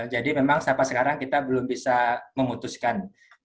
jadi memang sampai sekarang kita belum bisa memutuskan